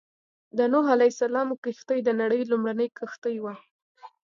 د نوح عليه السلام کښتۍ د نړۍ لومړنۍ کښتۍ وه.